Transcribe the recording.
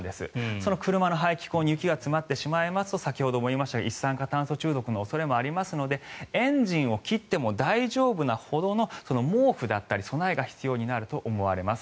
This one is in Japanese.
その車の排気口に雪が積もってしまいますと先ほども言いましたが一酸化炭素中毒の恐れもありますのでエンジンを切っても大丈夫なほどの毛布だったり備えが必要になると思われます。